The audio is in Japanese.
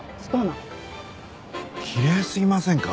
きれいすぎませんか？